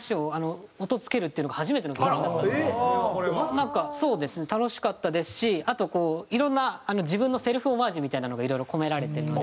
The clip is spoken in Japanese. なんかそうですね楽しかったですしあとこういろんな自分のセルフオマージュみたいなのがいろいろ込められてるので。